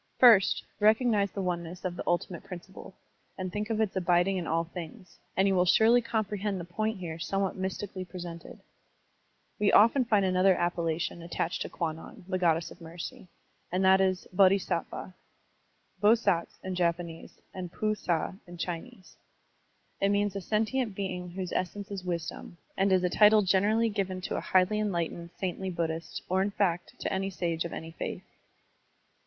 First, recog nize the oneness of the ultimate principle, and think of its abiding in all things; and you will surely comprehend the point here somewhat mystically presented. We often find another appellation attached to Digitized by Google 1 64 SERMONS OF A BUDDHIST ABBOT Kwannon, the Goddess of Mercy, and that is Bodhisattva {Bosaiz in Japanese and Pu sa in Chinese). It means a sentient being whose essence is wisdom, and is a title generally given to a highly enlightened, saintly Buddhist, or, in fact, to any sage of any faith.